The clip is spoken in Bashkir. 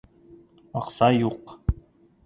Аҡса юҡ!